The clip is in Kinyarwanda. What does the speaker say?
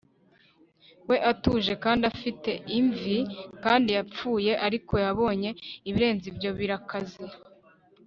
we, atuje kandi afite imvi kandi yapfuye. ariko yabonye ibirenze ibyo birakaze